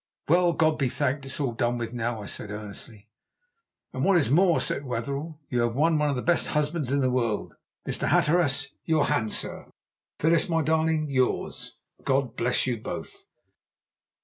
"Well, God be thanked, it's all done with now," I said earnestly. "And what is more," said Wetherell, "you have won one of the best husbands in the world. Mr. Hatteras, your hand, sir; Phyllis, my darling, yours! God bless you both."